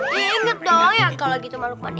ya inget doang ya kalau gitu mak lukman